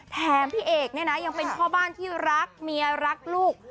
แถมพี่เอกเนี่ยนะยังเป็นพ่อบ้านที่รักเมียรักลูก